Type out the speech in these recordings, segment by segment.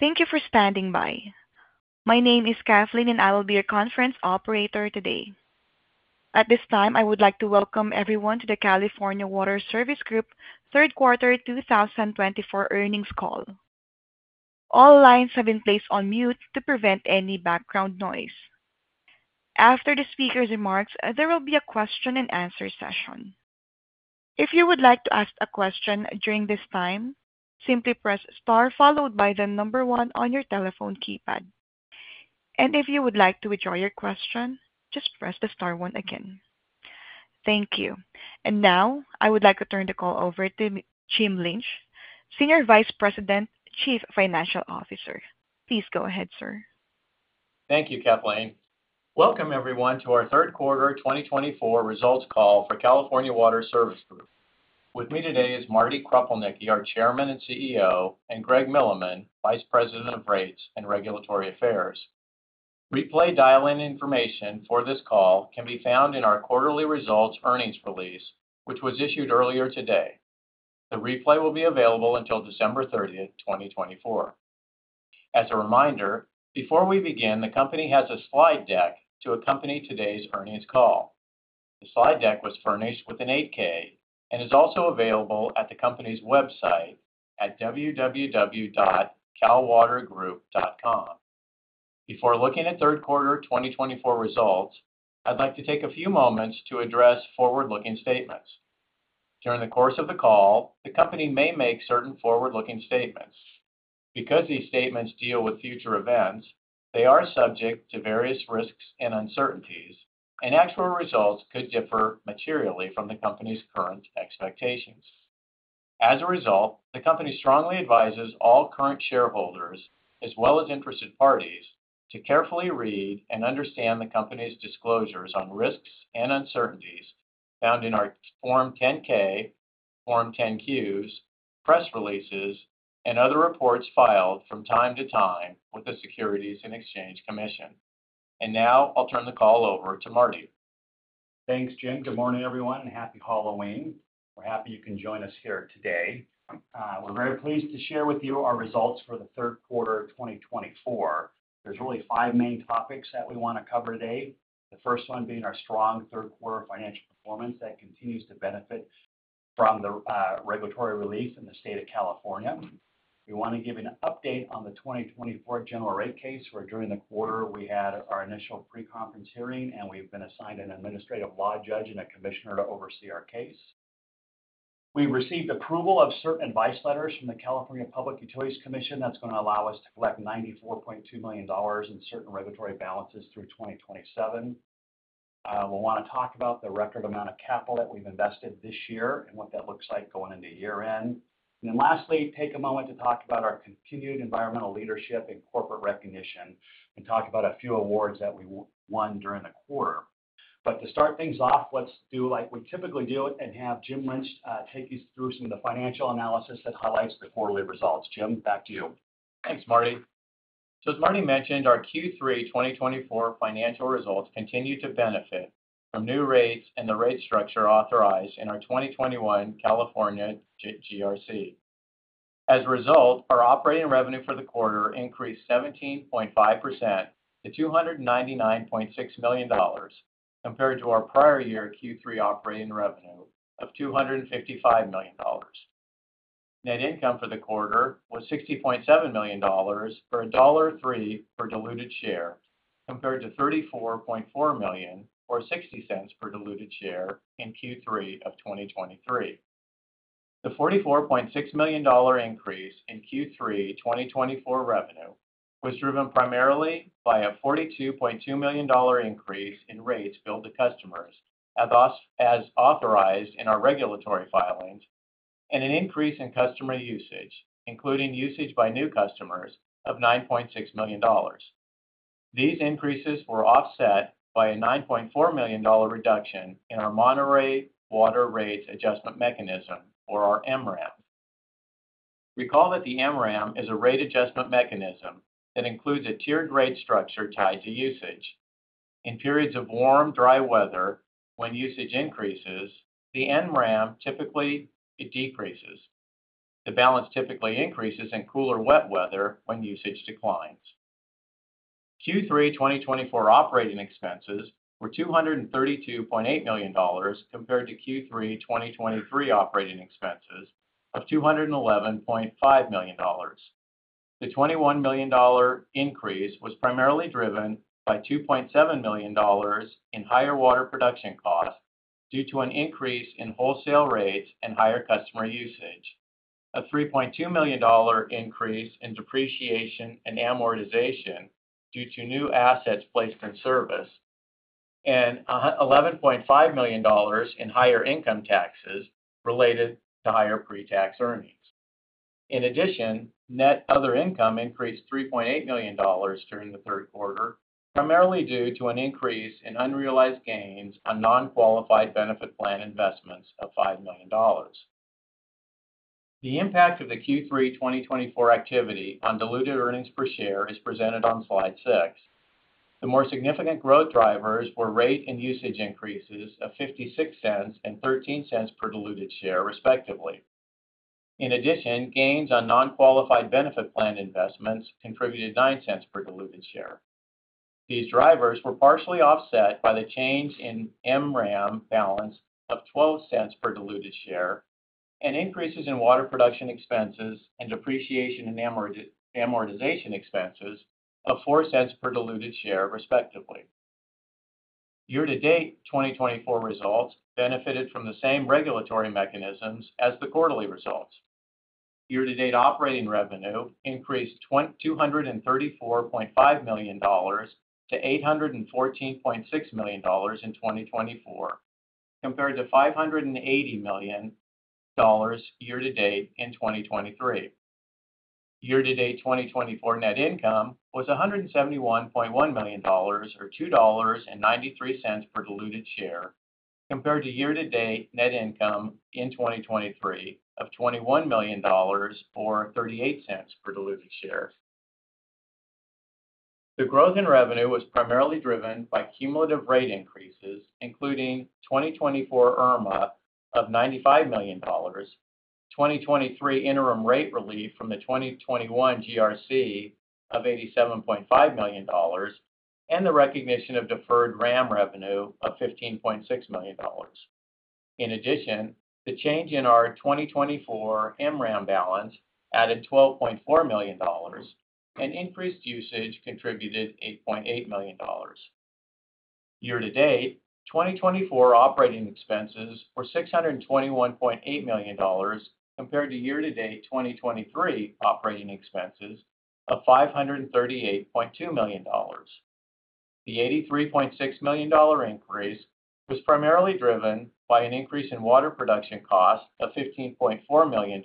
Thank you for standing by. My name is Kathleen, and I will be your conference operator today. At this time, I would like to welcome everyone to the California Water Service Group third quarter 2024 earnings call. All lines have been placed on mute to prevent any background noise. After the speaker's remarks, there will be a question-and-answer session. If you would like to ask a question during this time, simply press star followed by the number one on your telephone keypad. And if you would like to withdraw your question, just press the star one again. Thank you. And now, I would like to turn the call over to Jim Lynch, Senior Vice President, Chief Financial Officer. Please go ahead, sir. Thank you, Kathleen. Welcome, everyone, to our third quarter 2024 results call for California Water Service Group. With me today is Marty Kropelnicki, our Chairman and CEO, and Greg Milleman, Vice President of Rates and Regulatory Affairs. Replay dial-in information for this call can be found in our quarterly results earnings release, which was issued earlier today. The replay will be available until December 30, 2024. As a reminder, before we begin, the company has a slide deck to accompany today's earnings call. The slide deck was furnished with an 8-K and is also available at the company's website at www.calwatergroup.com. Before looking at third quarter 2024 results, I'd like to take a few moments to address forward-looking statements. During the course of the call, the company may make certain forward-looking statements. Because these statements deal with future events, they are subject to various risks and uncertainties, and actual results could differ materially from the company's current expectations. As a result, the company strongly advises all current shareholders, as well as interested parties, to carefully read and understand the company's disclosures on risks and uncertainties found in our Form 10-K, Form 10-Qs, press releases, and other reports filed from time to time with the Securities and Exchange Commission. And now, I'll turn the call over to Marty. Thanks, Jim. Good morning, everyone, and happy Halloween. We're happy you can join us here today. We're very pleased to share with you our results for the third quarter of 2024. There's really five main topics that we want to cover today, the first one being our strong third quarter financial performance that continues to benefit from the regulatory relief in the state of California. We want to give an update on the 2024 General Rate Case, where during the quarter we had our initial pre-conference hearing, and we've been assigned an administrative law judge and a commissioner to oversee our case. We received approval of certain advice letters from the California Public Utilities Commission, that's going to allow us to collect $94.2 million in certain regulatory balances through 2027. We want to talk about the record amount of capital that we've invested this year and what that looks like going into year-end, and then lastly, take a moment to talk about our continued environmental leadership and corporate recognition and talk about a few awards that we won during the quarter, but to start things off, let's do like we typically do and have Jim Lynch take you through some of the financial analysis that highlights the quarterly results. Jim, back to you. Thanks, Marty. So as Marty mentioned, our Q3 2024 financial results continue to benefit from new rates and the rate structure authorized in our 2021 California GRC. As a result, our operating revenue for the quarter increased 17.5% to $299.6 million compared to our prior year Q3 operating revenue of $255 million. Net income for the quarter was $60.7 million for a $1.03 per diluted share compared to $34.4 million or $0.60 per diluted share in Q3 of 2023. The $44.6 million increase in Q3 2024 revenue was driven primarily by a $42.2 million increase in rates billed to customers as authorized in our regulatory filings and an increase in customer usage, including usage by new customers, of $9.6 million. These increases were offset by a $9.4 million reduction in our Monterey Water Rates Adjustment Mechanism, or our MWRAM. Recall that the MWRAM is a rate adjustment mechanism that includes a tiered rate structure tied to usage. In periods of warm, dry weather, when usage increases, the MWRAM typically decreases. The balance typically increases in cooler, wet weather when usage declines. Q3 2024 operating expenses were $232.8 million compared to Q3 2023 operating expenses of $211.5 million. The $21 million increase was primarily driven by $2.7 million in higher water production costs due to an increase in wholesale rates and higher customer usage, a $3.2 million increase in depreciation and amortization due to new assets placed in service, and $11.5 million in higher income taxes related to higher pre-tax earnings. In addition, net other income increased $3.8 million during the third quarter, primarily due to an increase in unrealized gains on non-qualified benefit plan investments of $5 million. The impact of the Q3 2024 activity on diluted earnings per share is presented on slide six. The more significant growth drivers were rate and usage increases of $0.56 and $0.13 per diluted share, respectively. In addition, gains on non-qualified benefit plan investments contributed $0.09 per diluted share. These drivers were partially offset by the change in MWRAM balance of $0.12 per diluted share and increases in water production expenses and depreciation and amortization expenses of $0.04 per diluted share, respectively. Year-to-date 2024 results benefited from the same regulatory mechanisms as the quarterly results. Year-to-date operating revenue increased $234.5 million to $814.6 million in 2024, compared to $580 million year-to-date in 2023. Year-to-date 2024 net income was $171.1 million, or $2.93 per diluted share, compared to year-to-date net income in 2023 of $21 million, or $0.38 per diluted share. The growth in revenue was primarily driven by cumulative rate increases, including 2024 IRMA of $95 million, 2023 interim rate relief from the 2021 GRC of $87.5 million, and the recognition of deferred RAM revenue of $15.6 million. In addition, the change in our 2024 MWRAM balance added $12.4 million, and increased usage contributed $8.8 million. Year-to-date, 2024 operating expenses were $621.8 million compared to year-to-date 2023 operating expenses of $538.2 million. The $83.6 million increase was primarily driven by an increase in water production costs of $15.4 million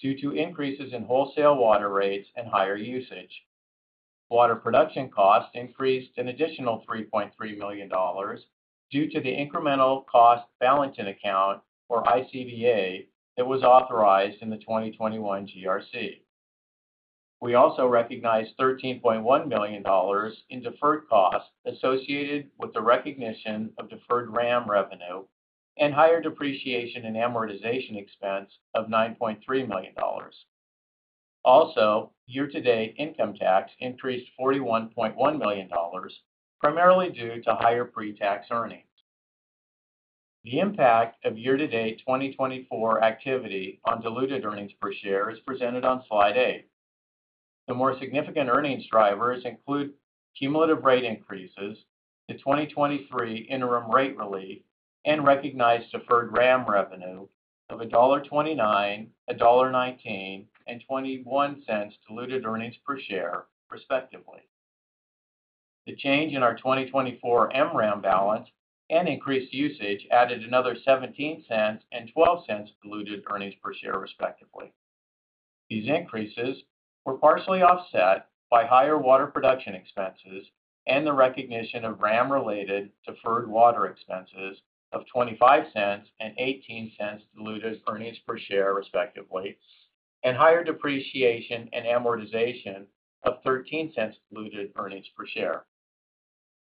due to increases in wholesale water rates and higher usage. Water production costs increased an additional $3.3 million due to the Incremental Cost Balancing Account, or ICBA, that was authorized in the 2021 GRC. We also recognized $13.1 million in deferred costs associated with the recognition of deferred RAM revenue and higher depreciation and amortization expense of $9.3 million. Also, year-to-date income tax increased $41.1 million, primarily due to higher pre-tax earnings. The impact of year-to-date 2024 activity on diluted earnings per share is presented on slide eight. The more significant earnings drivers include cumulative rate increases, the 2023 interim rate relief, and recognized deferred RAM revenue of $1.29, $1.19, and $0.21 diluted earnings per share, respectively. The change in our 2024 MWRAM balance and increased usage added another $0.17 and $0.12 diluted earnings per share, respectively. These increases were partially offset by higher water production expenses and the recognition of RAM-related deferred water expenses of $0.25 and $0.18 diluted earnings per share, respectively, and higher depreciation and amortization of $0.13 diluted earnings per share.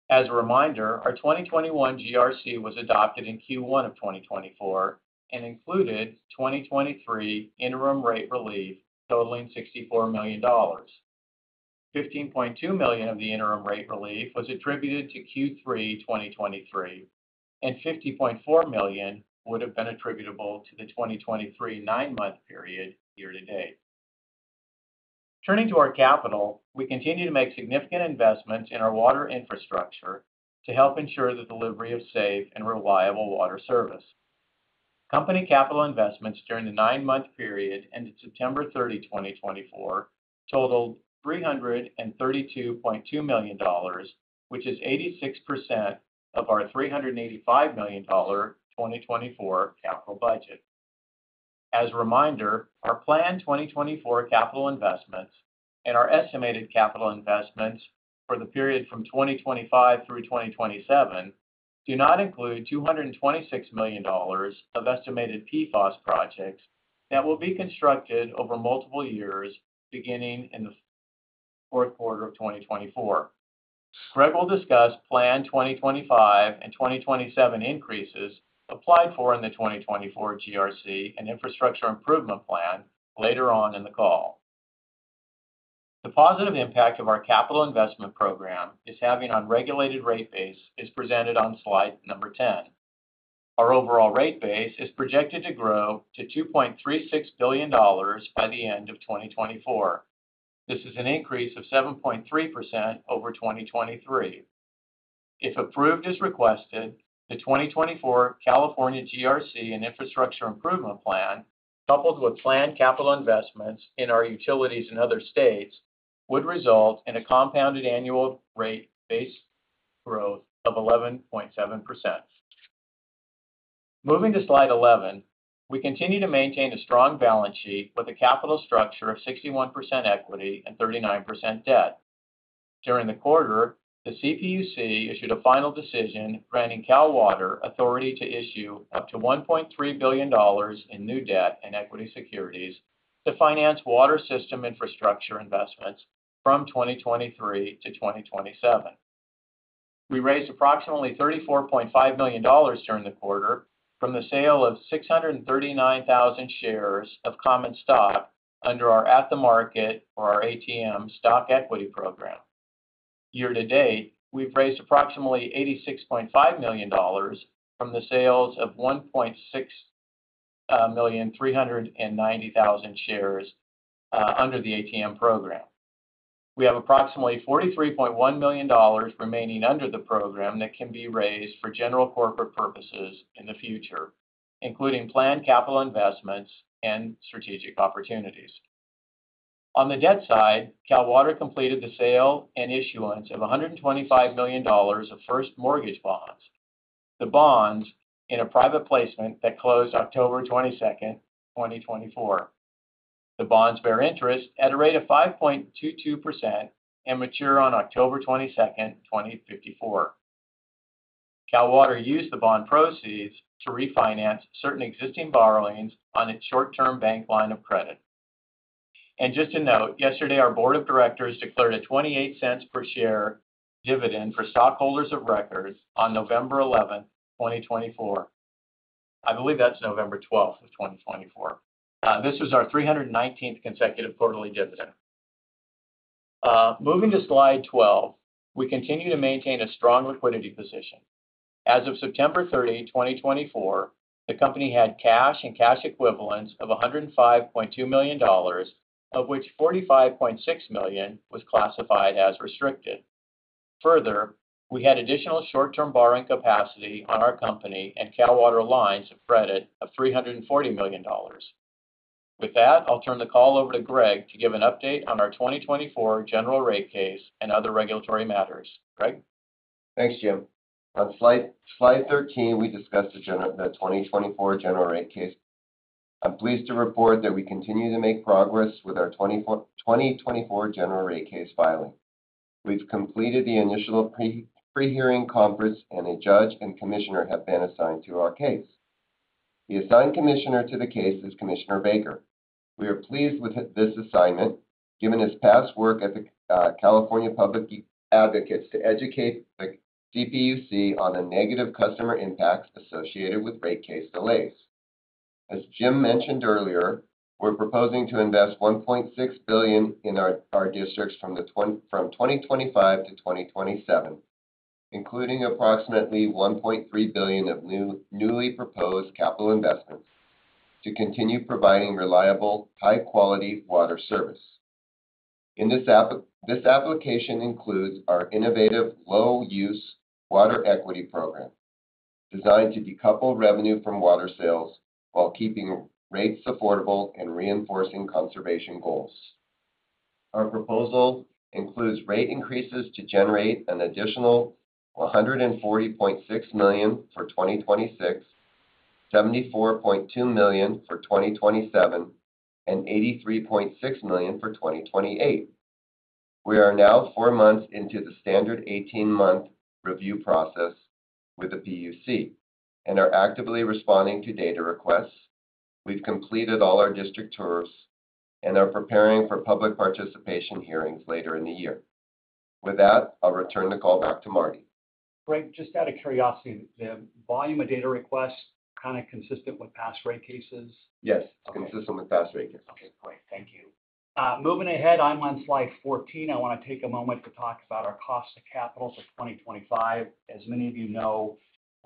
As a reminder, our 2021 GRC was adopted in Q1 of 2024 and included 2023 interim rate relief totaling $64 million. $15.2 million of the interim rate relief was attributed to Q3 2023, and $50.4 million would have been attributable to the 2023 nine-month period year-to-date. Turning to our capital, we continue to make significant investments in our water infrastructure to help ensure the delivery of safe and reliable water service. Company capital investments during the nine-month period ended September 30, 2024, totaled $332.2 million, which is 86% of our $385 million 2024 capital budget. As a reminder, our planned 2024 capital investments and our estimated capital investments for the period from 2025 through 2027 do not include $226 million of estimated PFAS projects that will be constructed over multiple years beginning in the fourth quarter of 2024. Greg will discuss planned 2025 and 2027 increases applied for in the 2024 Infrastructure Improvement Plan later on in the call. The positive impact of our capital investment program is having on regulated rate base is presented on slide number 10. Our overall rate base is projected to grow to $2.36 billion by the end of 2024. This is an increase of 7.3% over 2023. If approved as requested, the 2024 California Infrastructure Improvement Plan, coupled with planned capital investments in our utilities in other states, would result in a compounded annual rate-based growth of 11.7%. Moving to slide 11, we continue to maintain a strong balance sheet with a capital structure of 61% equity and 39% debt. During the quarter, the CPUC issued a final decision granting Cal Water authority to issue up to $1.3 billion in new debt and equity securities to finance water system infrastructure investments from 2023 to 2027. We raised approximately $34.5 million during the quarter from the sale of 639,000 shares of common stock under our At-the-Market, or our ATM, Stock Equity Program. Year-to-date, we've raised approximately $86.5 million from the sales of 1,639,000 shares under the ATM program. We have approximately $43.1 million remaining under the program that can be raised for general corporate purposes in the future, including planned capital investments and strategic opportunities. On the debt side, Cal Water completed the sale and issuance of $125 million of first mortgage bonds. The bonds in a private placement that closed October 22, 2024. The bonds bear interest at a rate of 5.22% and mature on October 22, 2054. Cal Water used the bond proceeds to refinance certain existing borrowings on its short-term bank line of credit. Just to note, yesterday, our board of directors declared a $0.28 per share dividend for stockholders of record on November 11, 2024. I believe that's November 12 of 2024. This was our 319th consecutive quarterly dividend. Moving to slide 12, we continue to maintain a strong liquidity position. As of September 30, 2024, the company had cash and cash equivalents of $105.2 million, of which $45.6 million was classified as restricted. Further, we had additional short-term borrowing capacity on our company and Cal Water lines of credit of $340 million. With that, I'll turn the call over to Greg to give an update on our 2024 General Rate Case and other regulatory matters. Greg? Thanks, Jim. On slide 13, we discussed the 2024 General Rate Case. I'm pleased to report that we continue to make progress with our 2024 General Rate Case filing. We've completed the initial prehearing conference, and a judge and commissioner have been assigned to our case. The assigned commissioner to the case is Commissioner Baker. We are pleased with this assignment given his past work at the California Public Advocates to educate the CPUC on the negative customer impacts associated with rate case delays. As Jim mentioned earlier, we're proposing to invest $1.6 billion in our districts from 2025 to 2027, including approximately $1.3 billion of newly proposed capital investments to continue providing reliable, high-quality water service. This application includes our innovative Low-Use Water Equity Program, designed to decouple revenue from water sales while keeping rates affordable and reinforcing conservation goals. Our proposal includes rate increases to generate an additional $140.6 million for 2026, $74.2 million for 2027, and $83.6 million for 2028. We are now four months into the standard 18-month review process with the PUC and are actively responding to data requests. We've completed all our district tours and are preparing for Public Participation Hearings later in the year. With that, I'll return the call back to Marty. Greg, just out of curiosity, the volume of data requests kind of consistent with past rate cases? Yes, consistent with past rate cases. Okay. Great. Thank you. Moving ahead, I'm on slide 14. I want to take a moment to talk about our cost of capital for 2025. As many of you know,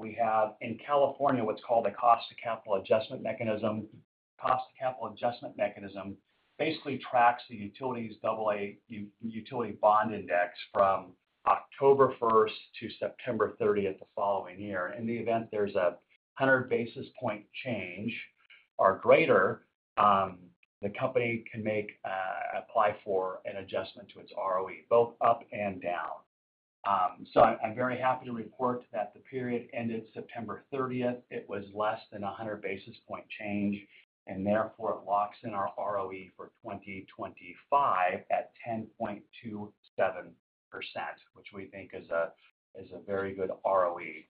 we have in California what's called a cost of capital adjustment mechanism. Cost of Capital Adjustment Mechanism basically tracks the utilities AA Utility Bond Index from October 1 to September 30 of the following year. In the event there's a 100 basis point change or greater, the company can apply for an adjustment to its ROE, both up and down. So I'm very happy to report that the period ended September 30. It was less than 100 basis point change, and therefore it locks in our ROE for 2025 at 10.27%, which we think is a very good ROE.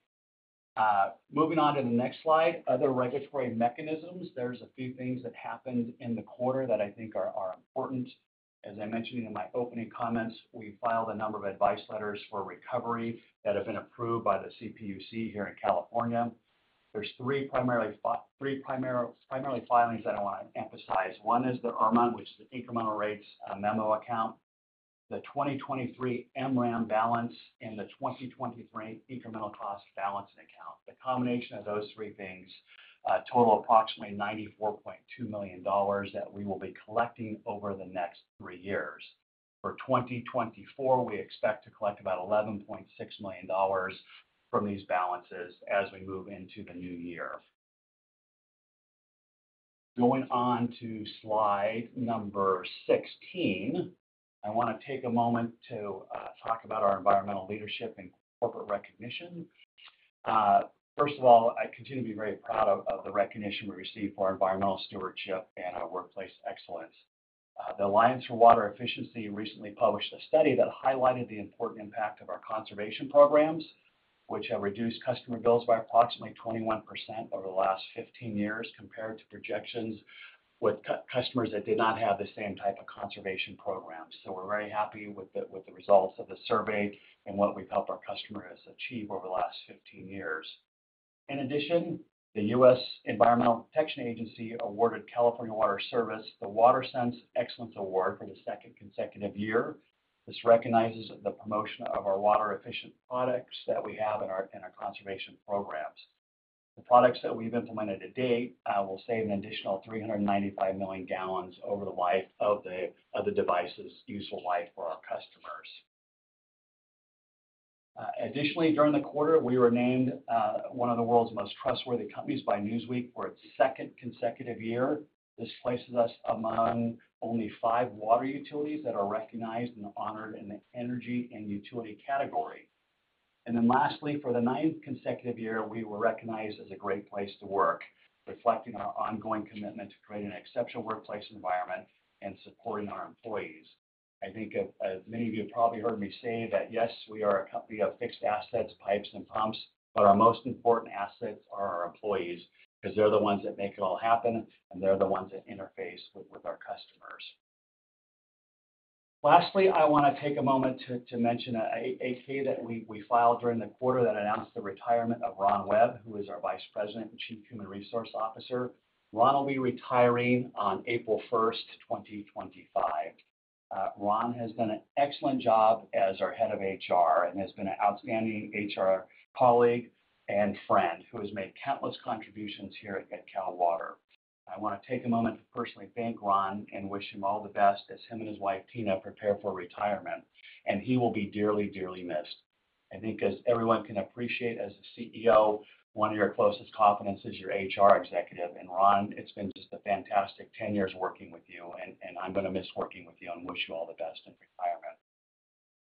Moving on to the next slide, other regulatory mechanisms. There's a few things that happened in the quarter that I think are important. As I mentioned in my opening comments, we filed a number of advice letters for recovery that have been approved by the CPUC here in California. There's three primary filings that I want to emphasize. One is the IRMA, which is the Incremental Rates Memo Account, the 2023 MWRAM balance, and the 2023 Incremental Cost Balancing Account. The combination of those three things total approximately $94.2 million that we will be collecting over the next three years. For 2024, we expect to collect about $11.6 million from these balances as we move into the new year. Going on to slide number 16, I want to take a moment to talk about our environmental leadership and corporate recognition. First of all, I continue to be very proud of the recognition we received for environmental stewardship and our workplace excellence. The Alliance for Water Efficiency recently published a study that highlighted the important impact of our conservation programs, which have reduced customer bills by approximately 21% over the last 15 years compared to projections with customers that did not have the same type of conservation programs. So we're very happy with the results of the survey and what we've helped our customers achieve over the last 15 years. In addition, the U.S. Environmental Protection Agency awarded California Water Service the WaterSense Excellence Award for the second consecutive year. This recognizes the promotion of our water-efficient products that we have in our conservation programs. The products that we've implemented to date will save an additional 395 million gallons over the life of the device's useful life for our customers. Additionally, during the quarter, we were named one of the World's Most Trustworthy Companies by Newsweek for its second consecutive year. This places us among only five water utilities that are recognized and honored in the energy and utility category. And then lastly, for the ninth consecutive year, we were recognized as a Great Place to Work, reflecting our ongoing commitment to creating an exceptional workplace environment and supporting our employees. I think many of you have probably heard me say that, yes, we are a company of fixed assets, pipes, and pumps, but our most important assets are our employees because they're the ones that make it all happen, and they're the ones that interface with our customers. Lastly, I want to take a moment to mention an 8-K that we filed during the quarter that announced the retirement of Ron Webb, who is our Vice President and Chief Human Resource Officer. Ron will be retiring on April 1, 2025. Ron has done an excellent job as our head of HR and has been an outstanding HR colleague and friend who has made countless contributions here at Cal Water. I want to take a moment to personally thank Ron and wish him all the best as him and his wife, Tina, prepare for retirement, and he will be dearly, dearly missed. I think, as everyone can appreciate, as a CEO, one of your closest confidants is your HR executive, and Ron, it's been just a fantastic 10 years working with you, and I'm going to miss working with you and wish you all the best in retirement.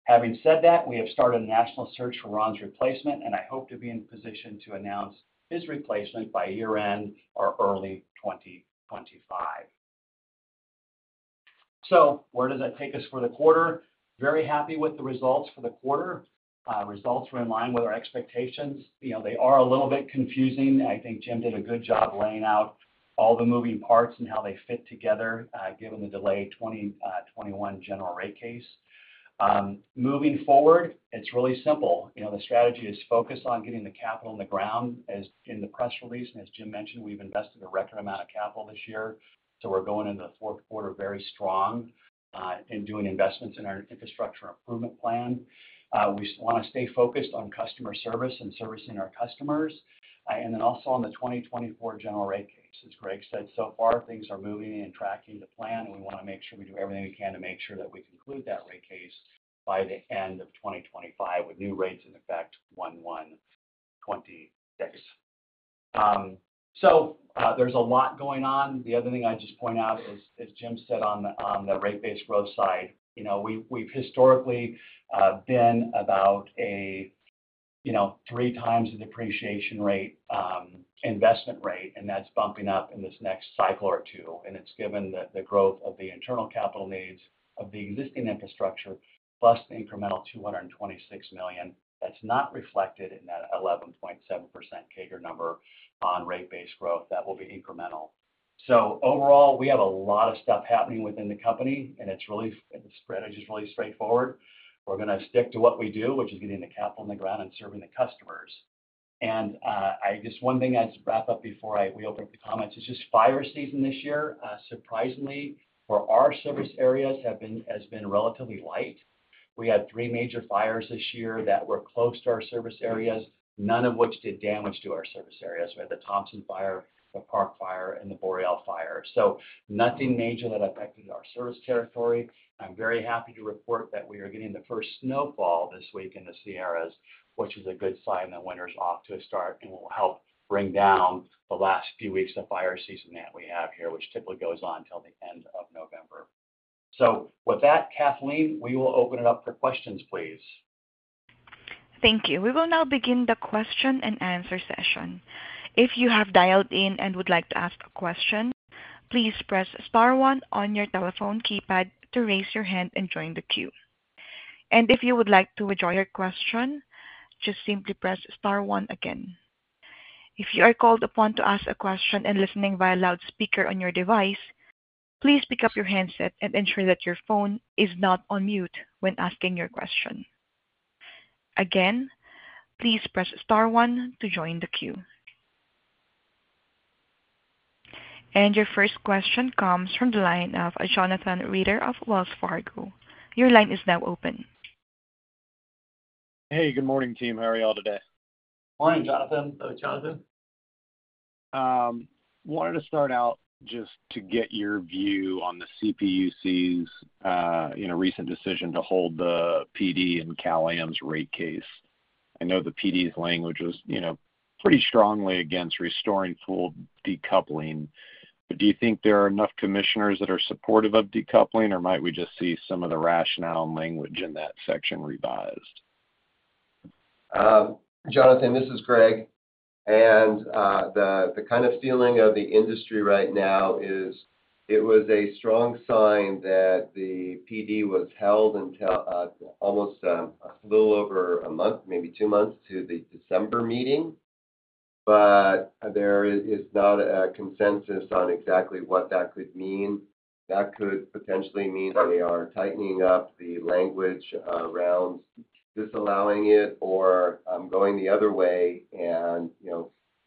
Having said that, we have started a national search for Ron's replacement, and I hope to be in position to announce his replacement by year-end or early 2025, so where does that take us for the quarter? Very happy with the results for the quarter. Results were in line with our expectations. They are a little bit confusing. I think Jim did a good job laying out all the moving parts and how they fit together given the delayed 2021 General Rate Case. Moving forward, it's really simple. The strategy is focused on getting the capital in the ground. As in the press release, and as Jim mentioned, we've invested a record amount of capital this year, so we're going into the fourth quarter very strong and doing investments in the Infrastructure Improvement Plan. we want to stay focused on customer service and servicing our customers. Then also on the 2024 General Rate Case. As Greg said, so far, things are moving and tracking the plan, and we want to make sure we do everything we can to make sure that we conclude that rate case by the end of 2025 with new rates in effect January 1, 2026. So there's a lot going on. The other thing I'd just point out is, as Jim said on the rate base growth side, we've historically been about three times the depreciation rate investment rate, and that's bumping up in this next cycle or two. And it's given the growth of the internal capital needs of the existing infrastructure plus the incremental $226 million. That's not reflected in that 11.7% CAGR number on rate base growth that will be incremental. So overall, we have a lot of stuff happening within the company, and the strategy is really straightforward. We're going to stick to what we do, which is getting the capital in the ground and serving the customers, and just one thing I'd just wrap up before we open up the comments is just fire season this year. Surprisingly, for our service areas, it has been relatively light. We had three major fires this year that were close to our service areas, none of which did damage to our service areas. We had the Thompson Fire, the Park Fire, and the Borel Fire, so nothing major that affected our service territory. I'm very happy to report that we are getting the first snowfall this week in the Sierras, which is a good sign that winter's off to a start and will help bring down the last few weeks of fire season that we have here, which typically goes on until the end of November. So with that, Kathleen, we will open it up for questions, please. Thank you. We will now begin the question and answer session. If you have dialed in and would like to ask a question, please press star one on your telephone keypad to raise your hand and join the queue. And if you would like to withdraw your question, just simply press star one again. If you are called upon to ask a question and listening via loudspeaker on your device, please pick up your handset and ensure that your phone is not on mute when asking your question. Again, please press star one to join the queue. And your first question comes from the line of Jonathan Reeder of Wells Fargo. Your line is now open. Hey, good morning, team. How are y'all today? Morning, Jonathan. Hello, Jonathan. Wanted to start out just to get your view on the CPUC's recent decision to hold the PD and Cal-Am's rate case. I know the PD's language was pretty strongly against restoring full decoupling. Do you think there are enough commissioners that are supportive of decoupling, or might we just see some of the rationale and language in that section revised? Reeder, this is Greg Milleman, and the kind of feeling of the industry right now is, it was a strong sign that the PD was held until almost a little over a month, maybe two months to the December meeting, but there is not a consensus on exactly what that could mean. That could potentially mean they are tightening up the language around disallowing it or going the other way and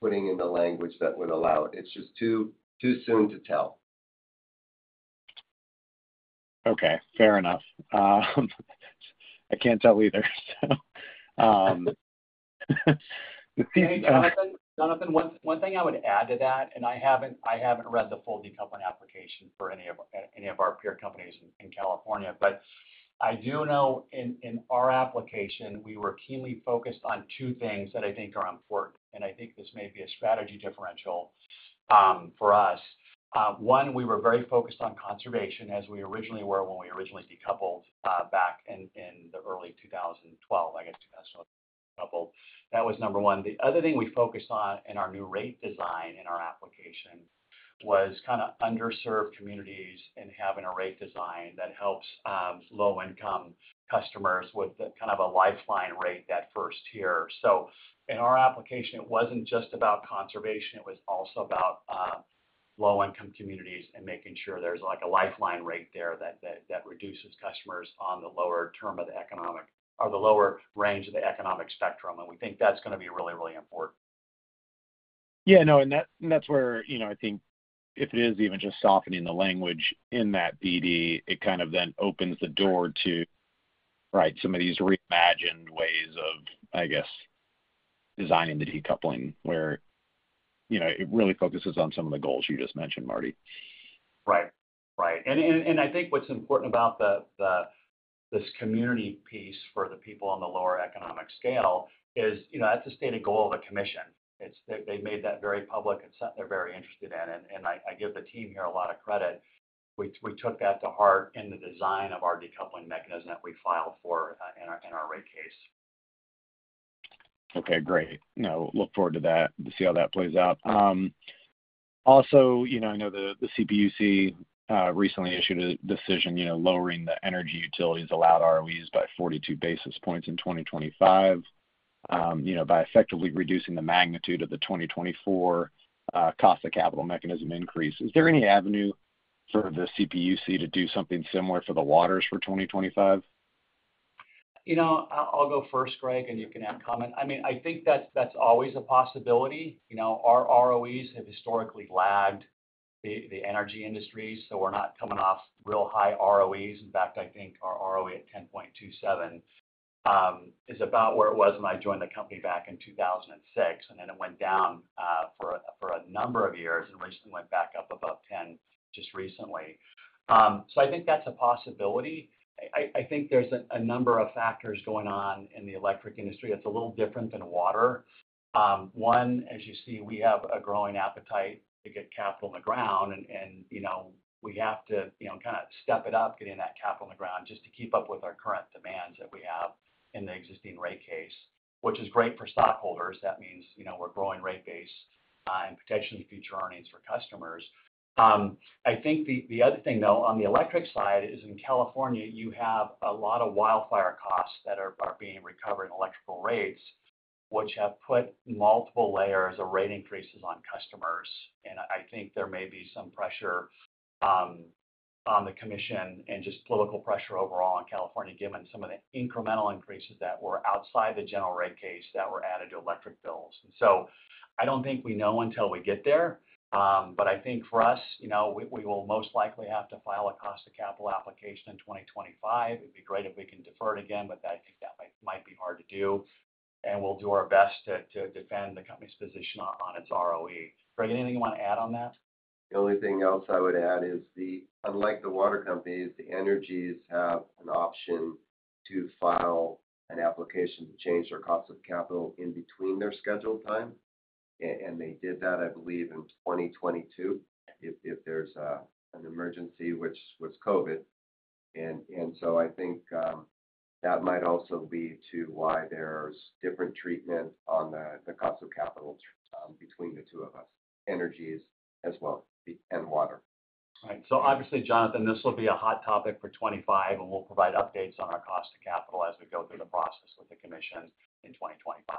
putting in the language that would allow it. It's just too soon to tell. Okay. Fair enough. I can't tell either. Jonathan, one thing I would add to that, and I haven't read the full decoupling application for any of our peer companies in California, but I do know in our application, we were keenly focused on two things that I think are important, and I think this may be a strategy differential for us. One, we were very focused on conservation as we originally were when we originally decoupled back in the early 2012, I guess 2012, decoupled. That was number one. The other thing we focused on in our new rate design in our application was kind of underserved communities and having a rate design that helps low-income customers with kind of a lifeline rate that first year. So in our application, it wasn't just about conservation. It was also about low-income communities and making sure there's a lifeline rate there that reduces customers on the lower term of the economic or the lower range of the economic spectrum, and we think that's going to be really, really important. Yeah. No, and that's where I think if it is even just softening the language in that PD, it kind of then opens the door to, right, some of these reimagined ways of, I guess, designing the decoupling where it really focuses on some of the goals you just mentioned, Marty. Right. Right. And I think what's important about this community piece for the people on the lower economic scale is that's the stated goal of the commission. They've made that very public and said they're very interested in it. And I give the team here a lot of credit. We took that to heart in the design of our decoupling mechanism that we filed for in our rate case. Okay. Great. I look forward to that, to see how that plays out. Also, I know the CPUC recently issued a decision lowering the energy utilities allowed ROEs by 42 basis points in 2025 by effectively reducing the magnitude of the 2024 cost of capital mechanism increase. Is there any avenue for the CPUC to do something similar for the waters for 2025? I'll go first, Greg, and you can add comment. I mean, I think that's always a possibility. Our ROEs have historically lagged the energy industries, so we're not coming off real high ROEs. In fact, I think our ROE at 10.27 is about where it was when I joined the company back in 2006, and then it went down for a number of years and recently went back up above 10 just recently. So I think that's a possibility. I think there's a number of factors going on in the electric industry that's a little different than water. One, as you see, we have a growing appetite to get capital in the ground, and we have to kind of step it up, getting that capital in the ground just to keep up with our current demands that we have in the existing rate case, which is great for stockholders. That means we're growing rate base and potentially future earnings for customers. I think the other thing, though, on the electric side is in California, you have a lot of wildfire costs that are being recovered in electrical rates, which have put multiple layers of rate increases on customers. And I think there may be some pressure on the commission and just political pressure overall in California, given some of the incremental increases that were outside the general rate case that were added to electric bills. And so I don't think we know until we get there, but I think for us, we will most likely have to file a cost of capital application in 2025. It'd be great if we can defer it again, but I think that might be hard to do. And we'll do our best to defend the company's position on its ROE. Greg, anything you want to add on that? The only thing else I would add is, unlike the water companies, the energies have an option to file an application to change their cost of capital in between their scheduled time. And they did that, I believe, in 2022 if there's an emergency, which was COVID. And so I think that might also lead to why there's different treatment on the cost of capital between the two of us, energies as well as water. Right. So obviously, Jonathan, this will be a hot topic for 2025, and we'll provide updates on our cost of capital as we go through the process with the commission in 2025.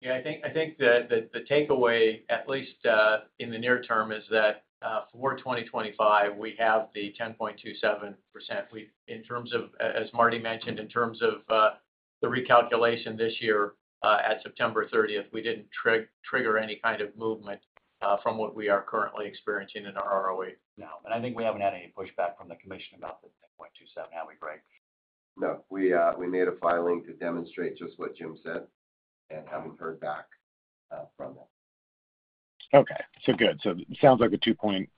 Yeah. I think the takeaway, at least in the near term, is that for 2025, we have the 10.27%. As Marty mentioned, in terms of the recalculation this year at September 30th, we didn't trigger any kind of movement from what we are currently experiencing in our ROE now. And I think we haven't had any pushback from the commission about the 10.27%. That would be great. No. We made a filing to demonstrate just what Jim said, and having heard back from them. Okay. So good. So it sounds like the 10.27%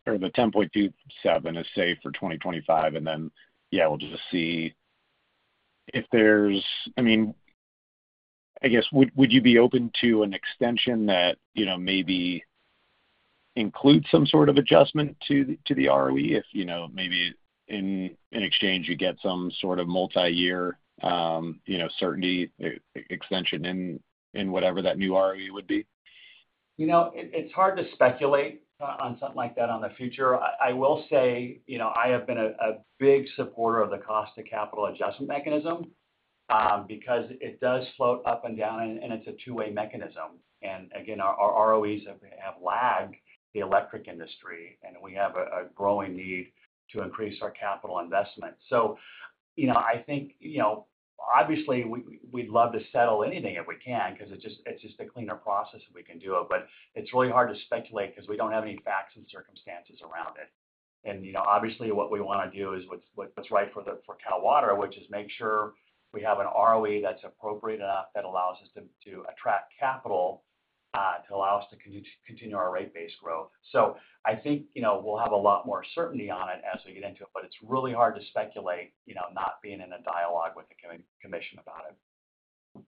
is safe for 2025. And then, yeah, we'll just see if there's, I mean, I guess, would you be open to an extension that maybe includes some sort of adjustment to the ROE if maybe in exchange you get some sort of multi-year certainty extension in whatever that new ROE would be? It's hard to speculate on something like that on the future. I will say I have been a big supporter of the cost of capital adjustment mechanism because it does float up and down, and it's a two-way mechanism, and again, our ROEs have lagged the electric industry, and we have a growing need to increase our capital investment, so I think, obviously, we'd love to settle anything if we can because it's just a cleaner process if we can do it, but it's really hard to speculate because we don't have any facts and circumstances around it, and obviously, what we want to do is what's right for Cal Water, which is make sure we have an ROE that's appropriate enough that allows us to attract capital to allow us to continue our rate-based growth. So I think we'll have a lot more certainty on it as we get into it, but it's really hard to speculate not being in a dialogue with the commission about it.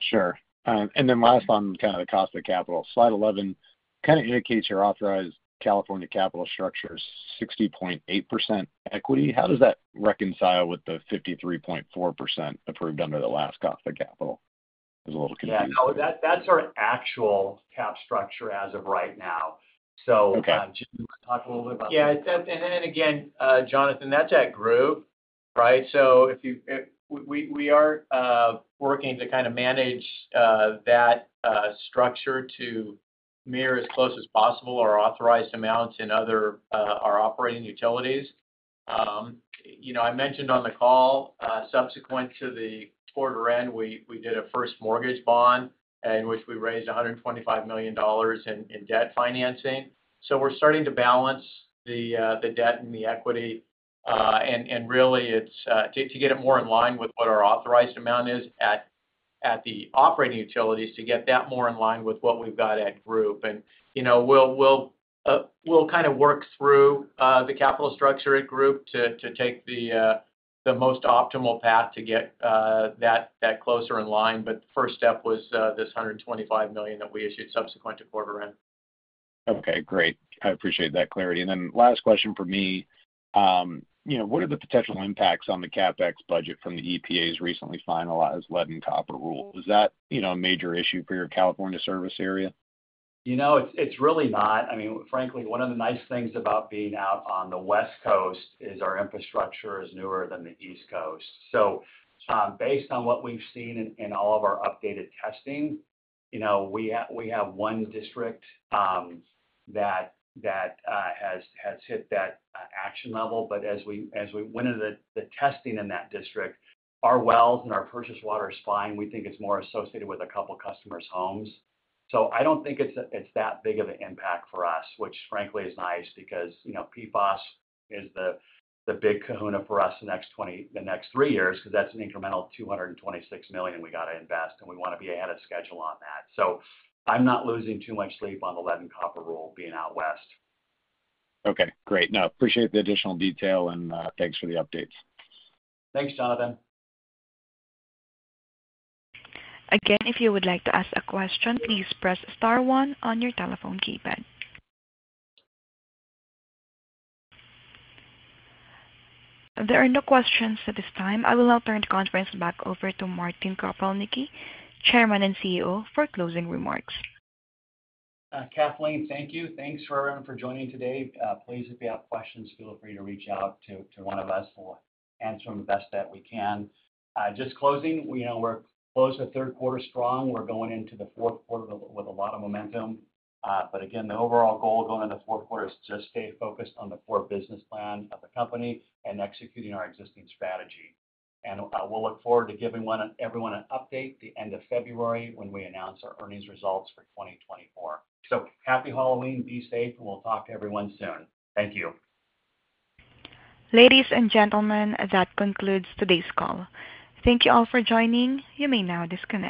Sure. And then last on kind of the cost of capital, slide 11 kind of indicates your authorized California capital structure is 60.8% equity. How does that reconcile with the 53.4% approved under the last cost of capital? It was a little confusing. Yeah. That's our actual capital structure as of right now. So, Jim, want to talk a little bit about that? Yeah. And again, Jonathan, that's at the Group, right? So we are working to kind of manage that structure to mirror as close as possible our authorized amounts in our operating utilities. I mentioned on the call, subsequent to the quarter end, we did a first mortgage bond in which we raised $125 million in debt financing. So we're starting to balance the debt and the equity. And really, it's to get it more in line with what our authorized amount is at the operating utilities to get that more in line with what we've got at the Group. And we'll kind of work through the capital structure at the Group to take the most optimal path to get that closer in line. But the first step was this $125 million that we issued subsequent to quarter end. Okay. Great. I appreciate that clarity. And then last question for me, what are the potential impacts on the CapEx budget from the EPA's recently finalized Lead and Copper Rule? Is that a major issue for your California service area? It's really not. I mean, frankly, one of the nice things about being out on the West Coast is our infrastructure is newer than the East Coast. So based on what we've seen in all of our updated testing, we have one district that has hit that action level. But as we went into the testing in that district, our wells and our purchase water is fine. We think it's more associated with a couple of customers' homes. So I don't think it's that big of an impact for us, which frankly is nice because PFAS is the big kahuna for us the next three years because that's an incremental $226 million we got to invest, and we want to be ahead of schedule on that. So I'm not losing too much sleep on the Lead and Copper Rule being out west. Okay. Great. No, appreciate the additional detail and thanks for the updates. Thanks, Jonathan. Again, if you would like to ask a question, please press star one on your telephone keypad. There are no questions at this time. I will now turn the conference back over to Martin Kropelnicki, Chairman and CEO, for closing remarks. Kathleen, thank you. Thanks for joining today. Please, if you have questions, feel free to reach out to one of us. We'll answer them the best that we can. In closing, we're closing the third quarter strong. We're going into the fourth quarter with a lot of momentum. But again, the overall goal going into the fourth quarter is to just stay focused on the core business plan of the company and executing our existing strategy. And we'll look forward to giving everyone an update at the end of February when we announce our earnings results for 2024. So happy Halloween. Be safe, and we'll talk to everyone soon. Thank you. Ladies and gentlemen, that concludes today's call. Thank you all for joining. You may now disconnect.